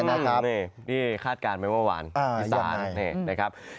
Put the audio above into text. นี่คาดการณ์ไว้เมื่อวานอีสานนะครับ